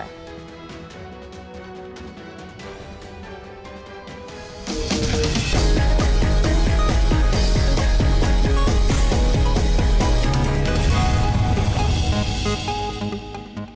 berita terkini mengenai cuaca ekstrem dua ribu dua puluh satu di kepala bersih kepala bersih